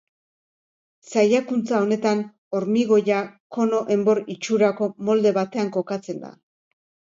Saiakuntza honetan hormigoia kono-enbor itxurako molde batean kokatzen da.